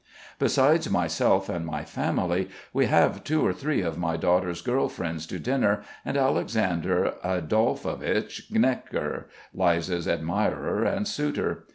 Besides myself and my family we have two or three of my daughter's girl friends to dinner and Alexander Adolphovich Gnekker, Liza's admirer and suitor.